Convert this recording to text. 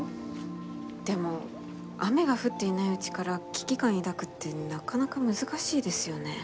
でも雨が降っていないうちから危機感抱くってなかなか難しいですよね。